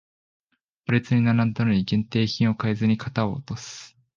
行列に並んだのに限定品を買えず肩を落とす